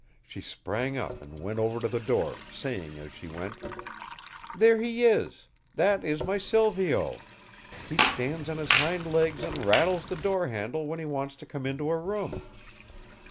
She sprang up and went over to the door, saying as she went: "There he is! That is my Silvio. He stands on his hind legs and rattles the door handle when he wants to come into a room."